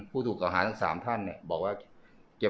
ตอนนี้ก็ไม่มีอัศวินทรีย์